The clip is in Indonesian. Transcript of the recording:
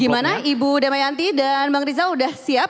gimana ibu damayanti dan bang rizal sudah siap